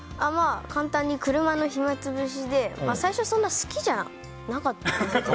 簡単に車の暇潰しで最初はそんなに好きじゃなかった。